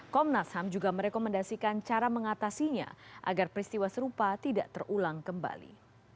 komnas ham juga merekomendasikan cara mengatasinya agar peristiwa serupa tidak terulang kembali